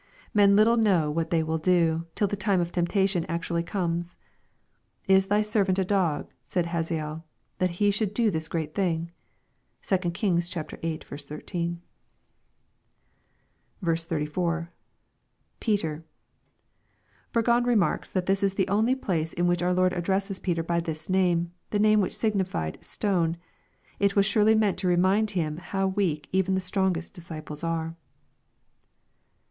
Men Uttle know what they will do, till the time of temp tation actually comes. " Is thy servant a dog," said Hazael, " tliat he should do this great thing ?" (2 Kings viiL 13.) 34. — [Peter.] Burgon remarks that this is the only place in wliich our Lord addresses Peter by this name, the name which signified "stone." It was surely meant to remind him how weak even ^he strongest disciples are.